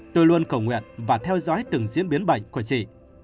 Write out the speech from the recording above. tôi luôn cầu nguyện và theo dõi từng diễn biến bệnh của chị